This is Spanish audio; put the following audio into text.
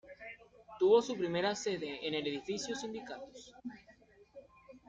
Tuvo su primera sede en el edificio Sindicatos.